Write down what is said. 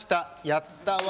やったわ！